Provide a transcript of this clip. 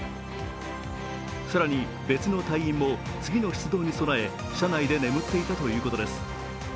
更に別の隊員も次の出動に備え車内で眠っていたということです。